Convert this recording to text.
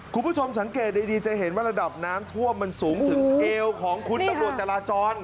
คุณผู้ชมสังเกตดีจะเห็นว่าระดับน้ำท่วมมันสูงถึงเอวของคุณตำรวจจราจร